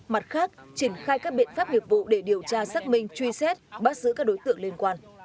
mặt khác triển khai các biện pháp nghiệp vụ để điều tra xác minh truy xét bắt giữ các đối tượng liên quan